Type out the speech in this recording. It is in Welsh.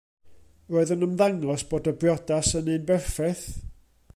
Roedd yn ymddangos bod y briodas yn un berffaith.